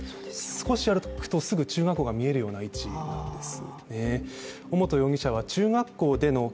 少し歩くとすぐ中学校が見えるような位置になっています。